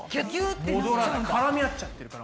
絡み合っちゃってるから。